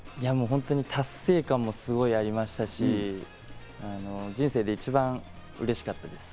達成感もすごいありましたし、人生で一番うれしかったです。